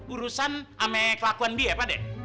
urusan ama kelakuan dia apa deh